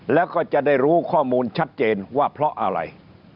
แล้วก็จะได้รู้ข้อมูลชัดเจนว่าเพราะอะไร